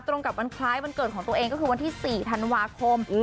ตรงกับวันคล้ายวันเกิดของตัวเองก็คือวันที่๔ธันวาคม